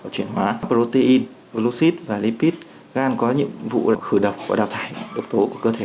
chuyển hóa protein blosite và lipid gan có những vụ khử độc và đào thải độc tố của cơ thể